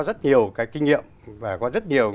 rất nhiều cái kinh nghiệm và có rất nhiều